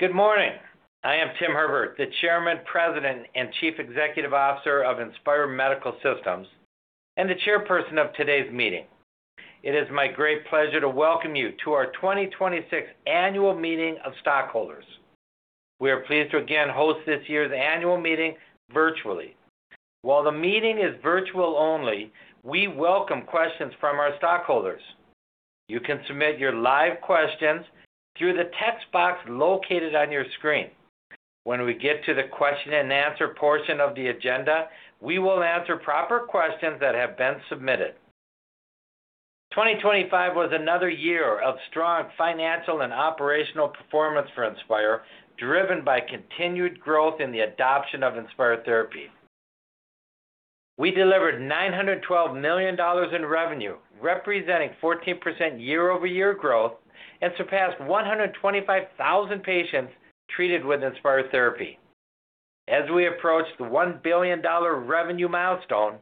Good morning. I am Tim Herbert, the Chairman, President, and Chief Executive Officer of Inspire Medical Systems, and the chairperson of today's meeting. It is my great pleasure to welcome you to our 2026 annual meeting of stockholders. We are pleased to again host this year's annual meeting virtually. While the meeting is virtual only, we welcome questions from our stockholders. You can submit your live questions through the text box located on your screen. When we get to the question and answer portion of the agenda, we will answer proper questions that have been submitted. 2025 was another year of strong financial and operational performance for Inspire, driven by continued growth in the adoption of Inspire therapy. We delivered $912 million in revenue, representing 14% year-over-year growth, and surpassed 125,000 patients treated with Inspire therapy. As we approach the $1 billion revenue milestone,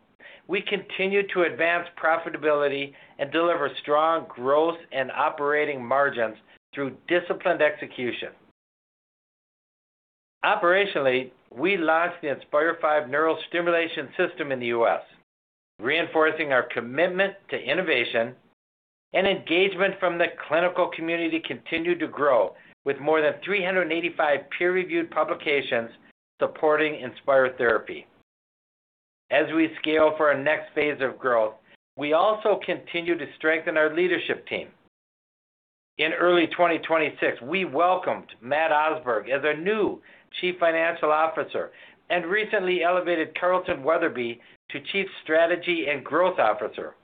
we continue to advance profitability and deliver strong growth and operating margins through disciplined execution. Operationally, we launched the Inspire V neurostimulation system in the U.S., reinforcing our commitment to innovation and engagement from the clinical community continued to grow with more than 385 peer-reviewed publications supporting Inspire therapy. As we scale for our next phase of growth, we also continue to strengthen our leadership team. In early 2026, we welcomed Matt Osberg as our new Chief Financial Officer and recently elevated Carlton Weatherby to Chief Strategy and Growth Officer.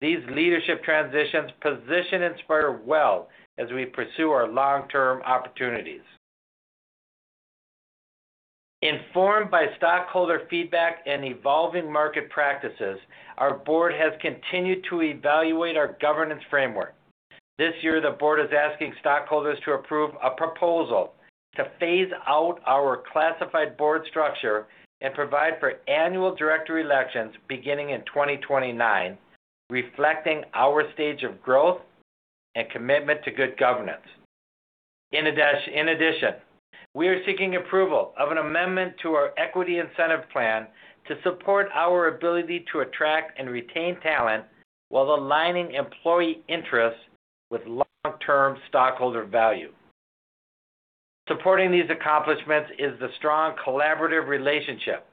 These leadership transitions position Inspire well as we pursue our long-term opportunities. Informed by stockholder feedback and evolving market practices, our board has continued to evaluate our governance framework. This year, the board is asking stockholders to approve a proposal to phase out our classified board structure and provide for annual director elections beginning in 2029, reflecting our stage of growth and commitment to good governance. In addition, we are seeking approval of an amendment to our equity incentive plan to support our ability to attract and retain talent while aligning employee interests with long-term stockholder value. Supporting these accomplishments is the strong collaborative relationship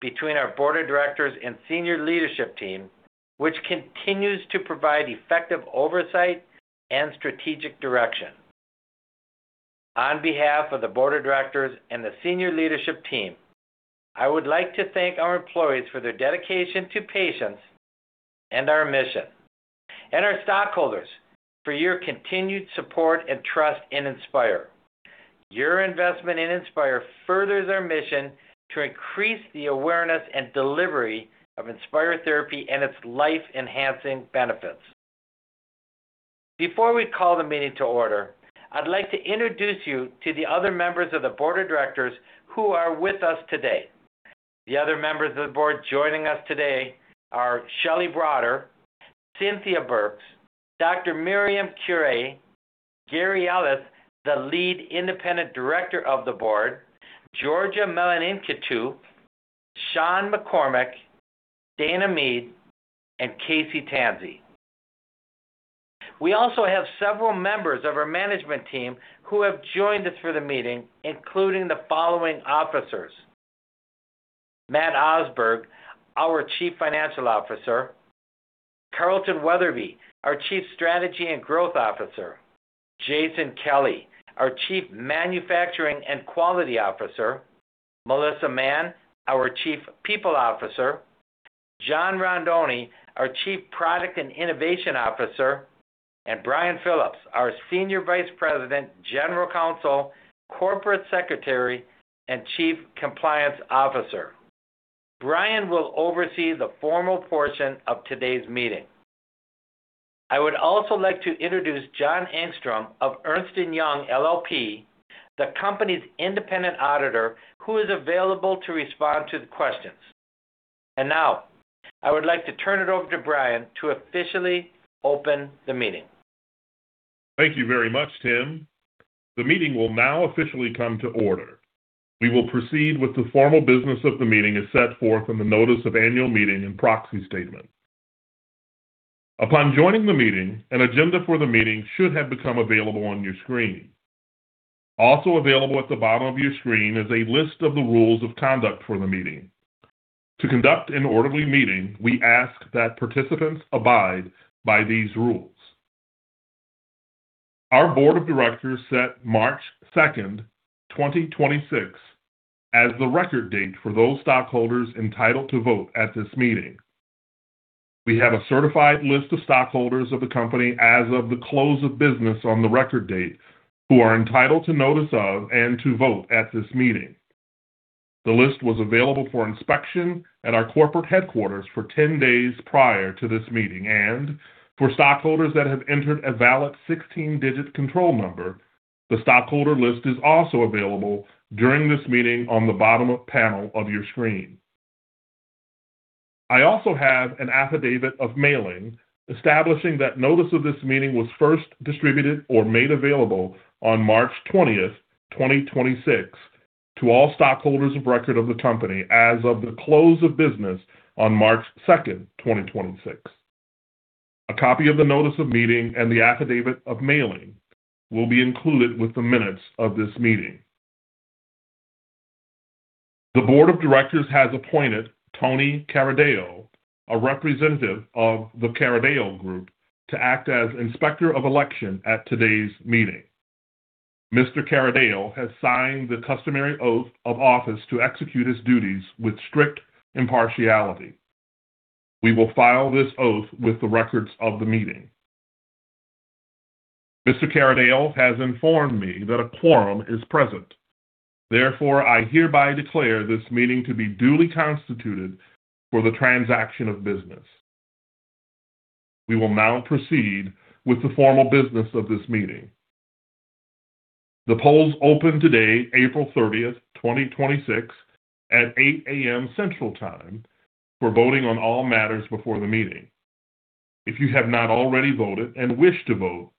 between our board of directors and senior leadership team, which continues to provide effective oversight and strategic direction. On behalf of the board of directors and the senior leadership team, I would like to thank our employees for their dedication to patients and our mission, and our stockholders for your continued support and trust in Inspire. Your investment in Inspire furthers our mission to increase the awareness and delivery of Inspire therapy and its life-enhancing benefits. Before we call the meeting to order, I'd like to introduce you to the other members of the board of directors who are with us today. The other members of the board joining us today are Shelley G. Broader, Cynthia B. Burks, Myriam J. Curet, Gary L. Ellis, the Lead Independent Director of the board, Georgia Melenikiotou, Shawn T McCormick, Dana G. Mead, Jr., and Casey M. Tansey. We also have several members of our management team who have joined us for the meeting, including the following officers: Matt Osberg, our Chief Financial Officer, Carlton Weatherby, our Chief Strategy and Growth Officer, Jason Kelly, our Chief Manufacturing and Quality Officer, Melissa Mann, our Chief People Officer, John Rondoni, our Chief Product and Innovation Officer, and Bryan Phillips, our Senior Vice President, General Counsel, Corporate Secretary, and Chief Compliance Officer. Bryan will oversee the formal portion of today's meeting. I would also like to introduce John Engstrom of Ernst & Young LLP, the company's independent auditor, who is available to respond to the questions. Now I would like to turn it over to Bryan to officially open the meeting. Thank you very much, Tim. The meeting will now officially come to order. We will proceed with the formal business of the meeting as set forth in the notice of annual meeting and proxy statement. Upon joining the meeting, an agenda for the meeting should have become available on your screen. Available at the bottom of your screen is a list of the rules of conduct for the meeting. To conduct an orderly meeting, we ask that participants abide by these rules. Our board of directors set March 2, 2026 as the record date for those stockholders entitled to vote at this meeting. We have a certified list of stockholders of the company as of the close of business on the record date who are entitled to notice of and to vote at this meeting. The list was available for inspection at our corporate headquarters for 10 days prior to this meeting, and for stockholders that have entered a valid 16-digit control number, the stockholder list is also available during this meeting on the bottom panel of your screen. I also have an affidavit of mailing establishing that notice of this meeting was first distributed or made available on March 20, 2026 to all stockholders of record of the company as of the close of business on March 2, 2026. A copy of the notice of meeting and the affidavit of mailing will be included with the minutes of this meeting. The board of directors has appointed Tony Carideo, a representative of The Carideo Group, to act as Inspector of Election at today's meeting. Mr. Carideo has signed the customary oath of office to execute his duties with strict impartiality. We will file this oath with the records of the meeting. Mr. Carideo has informed me that a quorum is present. Therefore, I hereby declare this meeting to be duly constituted for the transaction of business. We will now proceed with the formal business of this meeting. The polls opened today, April thirtieth, 2026, at 8:00 A.M. Central Time for voting on all matters before the meeting. If you have not already voted and wish to vote,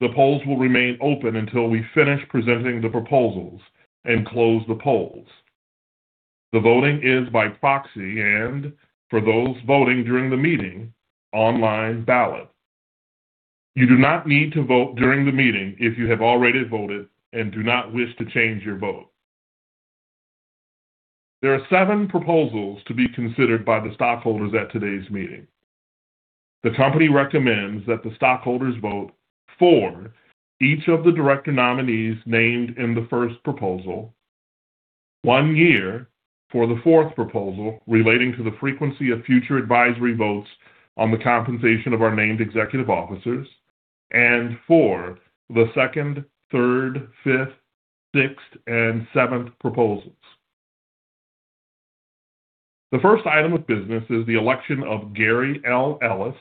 the polls will remain open until we finish presenting the proposals and close the polls. The voting is by proxy and for those voting during the meeting, online ballot. You do not need to vote during the meeting if you have already voted and do not wish to change your vote. There are seven proposals to be considered by the stockholders at today's meeting. The company recommends that the stockholders vote for each of the director nominees named in the 1st proposal, one year for the 4th proposal relating to the frequency of future advisory votes on the compensation of our named executive officers, and for the 2nd, 3rd, 5th, 6th, and 7th proposals. The 1st item of business is the election of Gary L. Ellis,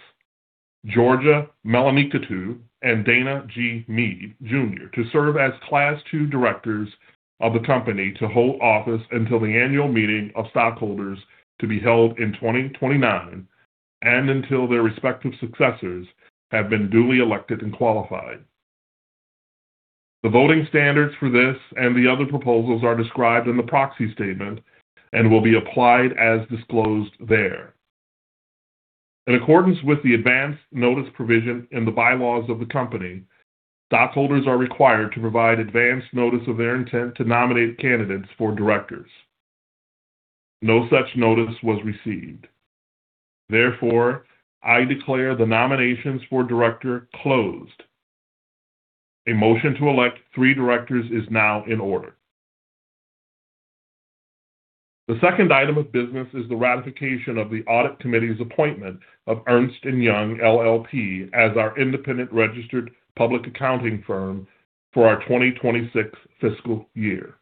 Georgia Melenikiotou, and Dana G. Mead, Jr. to serve as class 2 directors of the company to hold office until the annual meeting of stockholders to be held in 2029 and until their respective successors have been duly elected and qualified. The voting standards for this and the other proposals are described in the proxy statement and will be applied as disclosed there. In accordance with the advance notice provision in the bylaws of the company, stockholders are required to provide advance notice of their intent to nominate candidates for directors. No such notice was received. Therefore, I declare the nominations for director closed. A motion to elect three directors is now in order. The second item of business is the ratification of the Audit Committee's appointment of Ernst & Young LLP as our independent registered public accounting firm for our 2026 fiscal year.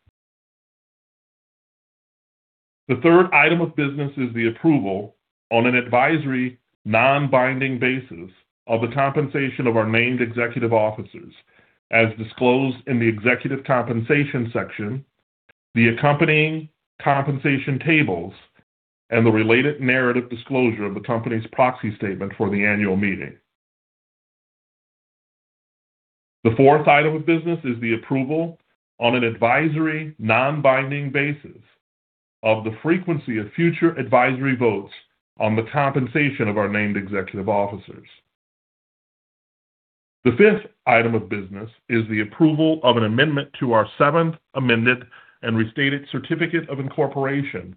The third item of business is the approval on an advisory, non-binding basis of the compensation of our named executive officers as disclosed in the executive compensation section, the accompanying compensation tables, and the related narrative disclosure of the company's proxy statement for the annual meeting. The fourth item of business is the approval on an advisory, non-binding basis of the frequency of future advisory votes on the compensation of our named executive officers. The fifth item of business is the approval of an amendment to our Seventh Amended and Restated Certificate of Incorporation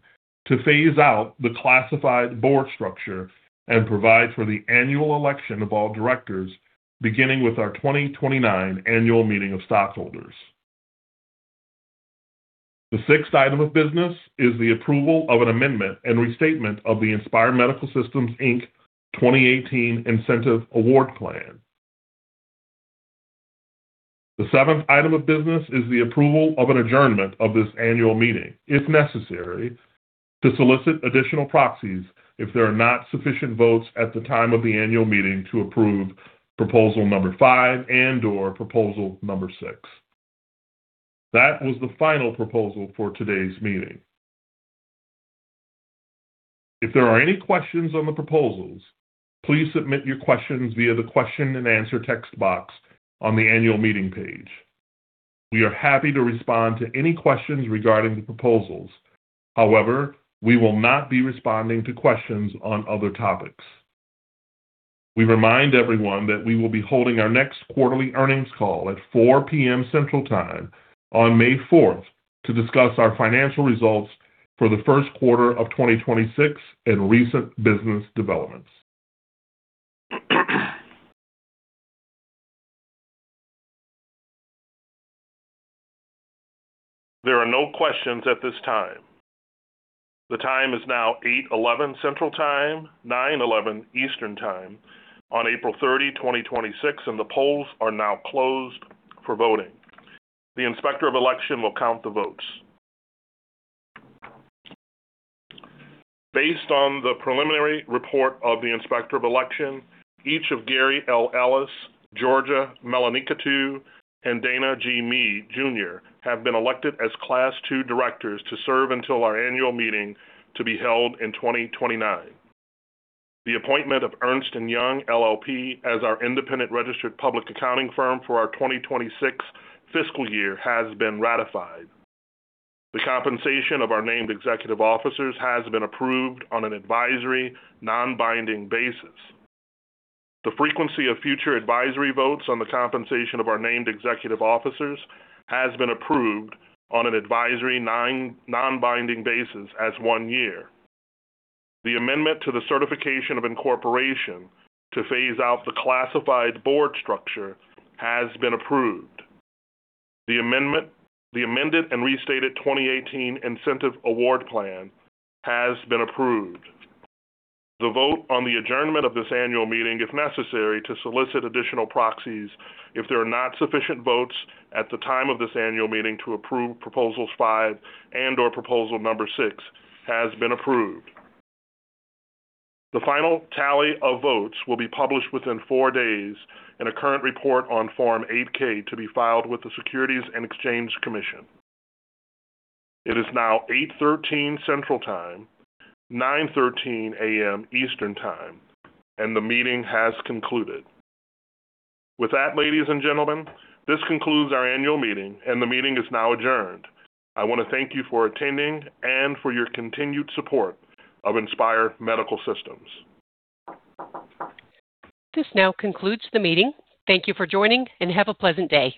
to phase out the classified board structure and provide for the annual election of all directors, beginning with our 2029 annual meeting of stockholders. The sixth item of business is the approval of an amendment and restatement of the Inspire Medical Systems, Inc. 2018 Incentive Award Plan. The seventh item of business is the approval of an adjournment of this annual meeting, if necessary, to solicit additional proxies if there are not sufficient votes at the time of the annual meeting to approve proposal number 5 and/or proposal number 6. That was the final proposal for today's meeting. If there are any questions on the proposals, please submit your questions via the question and answer text box on the annual meeting page. We are happy to respond to any questions regarding the proposals. We will not be responding to questions on other topics. We remind everyone that we will be holding our next quarterly earnings call at 4:00 P.M. Central Time on May 4 to discuss our financial results for the Q1 of 2026 and recent business developments. There are no questions at this time. The time is now 8:11 Central Time, 9:11 Eastern Time on April 30, 2026. The polls are now closed for voting. The Inspector of Election will count the votes. Based on the preliminary report of the Inspector of Election, each of Gary L. Ellis, Georgia Melenikiotou, and Dana G. Mead Jr. Have been elected as class 2 directors to serve until our annual meeting to be held in 2029. The appointment of Ernst & Young LLP as our independent registered public accounting firm for our 2026 fiscal year has been ratified. The compensation of our named executive officers has been approved on an advisory, non-binding basis. The frequency of future advisory votes on the compensation of our named executive officers has been approved on an advisory non-binding basis as 1 year. The amendment to the Certificate of Incorporation to phase out the classified board structure has been approved. The amended and restated 2018 Incentive Award Plan has been approved. The vote on the adjournment of this annual meeting, if necessary, to solicit additional proxies if there are not sufficient votes at the time of this annual meeting to approve proposals 5 and/or proposal number 6 has been approved. The final tally of votes will be published within 4 days in a current report on Form 8-K to be filed with the Securities and Exchange Commission. It is now 8:13 A.M. Central Time, 9:13 A.M. Eastern Time, and the meeting has concluded. With that, ladies and gentlemen, this concludes our annual meeting, and the meeting is now adjourned. I wanna thank you for attending and for your continued support of Inspire Medical Systems. This now concludes the meeting. Thank you for joining, and have a pleasant day.